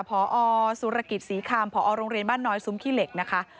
พอสุรกิจศรีคำพอโรงเรียนบ้านน้อยซุ้มขี้เหล็กนะคะ